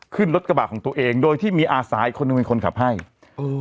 ขึ้นรถกระบะของตัวเองโดยที่มีอาสาอีกคนหนึ่งเป็นคนขับให้เออ